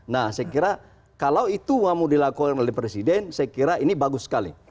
nah saya kira kalau itu mau dilakukan oleh presiden saya kira ini bagus sekali